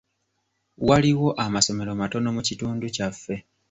Waliwo amasomero matono mu kitundu kyaffe.